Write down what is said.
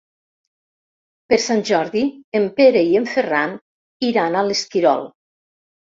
Per Sant Jordi en Pere i en Ferran iran a l'Esquirol.